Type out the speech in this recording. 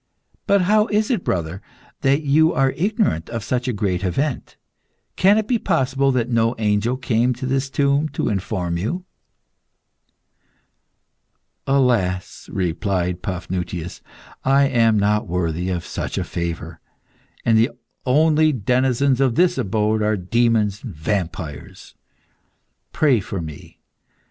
But how is it, brother, that you are ignorant of such a great event? Can it be possible that no angel came to this tomb to inform you?" "Alas!" replied Paphnutius, "I am not worthy of such a favour, and the only denizens of this abode are demons and vampires. Pray for me.